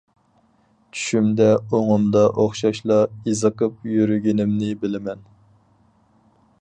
چۈشۈمدە ئوڭۇمدا ئوخشاشلا، ئېزىقىپ يۈرگىنىمنى بىلىمەن.